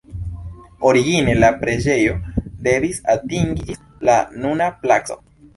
Origine la preĝejo devis atingi ĝis la nuna placo.